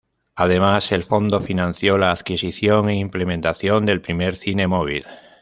Además el fondo financió la adquisición e implementación del primer cine móvil.